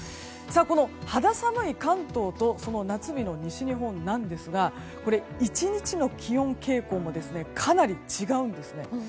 この肌寒い関東と夏日の西日本なんですが１日の気温傾向もかなり違うんですね。